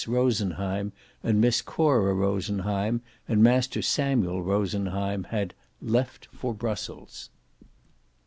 Rosenheim and Miss Cora Rosenheim and Master Samuel Rosenheim had "left for Brussels."